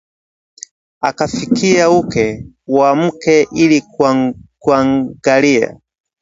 Akafikia uke wa mkewe ili kuuangalia